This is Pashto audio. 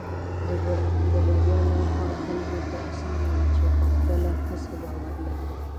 د بریا لار هغه خلکو ته اسانه وي چې په خپله هڅه باور لري.